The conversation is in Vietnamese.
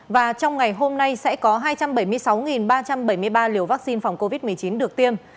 và trong ngày hôm nay sẽ có hai trăm bảy mươi sáu ba trăm bảy mươi ba liều vaccine phòng covid một mươi chín được tiêm